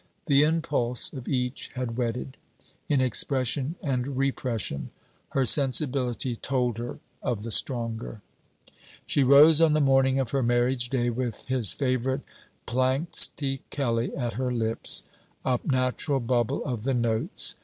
The impulse of each had wedded; in expression and repression; her sensibility told her of the stronger. She rose on the morning of her marriage day with his favourite Planxty Kelly at her lips, a natural bubble of the notes.